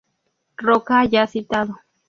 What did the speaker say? Roca ya citado.